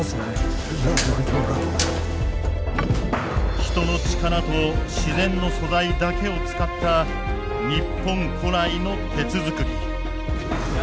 人の力と自然の素材だけを使った日本古来の鉄づくり。